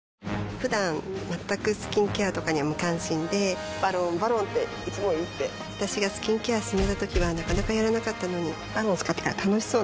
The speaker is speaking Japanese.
ふだん全くスキンケアとかに無関心で「ＶＡＲＯＮ」「ＶＡＲＯＮ」っていつも言って私がスキンケア勧めたときはなかなかやらなかったのに「ＶＡＲＯＮ」使ってから楽しそうだよね